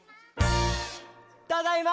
ただいま！